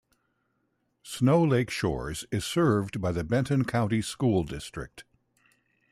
Snow Lake Shores is served by the Benton County School District.